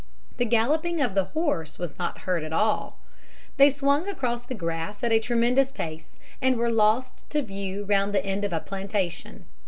The galloping of the horse was not heard at all. They swung across the grass at a tremendous pace, and were lost to view round the end of a plantation.